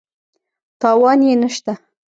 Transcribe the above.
تاوان یې نه شته.